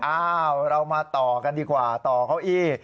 อ้าวเรามาต่อกันดีกว่าต่อเก้าอี้